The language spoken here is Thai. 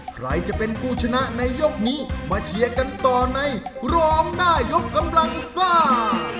ใครจะเป็นผู้ชนะในยกนี้มาเชียร์กันต่อในร้องได้ยกกำลังซ่า